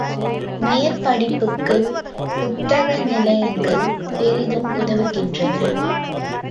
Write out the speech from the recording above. மேற்படிப்புக்குப் புத்தக நிலையங்கள் பெரிதும் உதவுகின்றன.